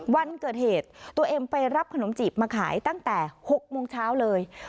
วันเกิดเหตุตัวเองไปรับขนมจีบมาขายตั้งแต่๖โมงเช้าเลย